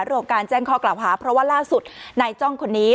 เรื่องของการแจ้งข้อกล่าวหาเพราะว่าล่าสุดนายจ้องคนนี้